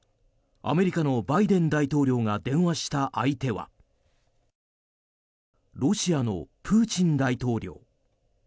アメリカのバイデン大統領が電話した相手はロシアのプーチン大統領。